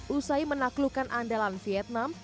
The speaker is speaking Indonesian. usai menaklukkan andalan vietnam